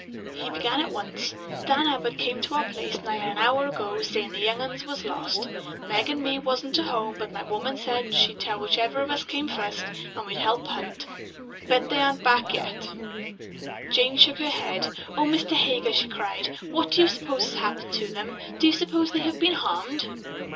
He began at once: "Dan Abbott came to our place nigh an hour ago sayin' the young 'uns was lost. Meg and me wasn't to home, but my woman said she'd tell whichever of us come fust and we'd help hunt. Ben't they back yet?" Jane shook her head. "Oh, Mr. Heger," she cried, "what do you suppose has happened to them? Do you suppose they have been harmed?"